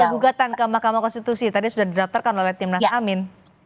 ada gugatan ke mahkamah konstitusi tadi sudah didaftarkan oleh timnas amin